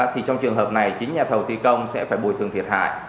thì trong trường hợp này chính nhà thầu thi công sẽ phải bồi thường thiệt hại